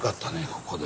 ここで。